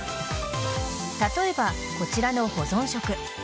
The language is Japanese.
例えばこちらの保存食。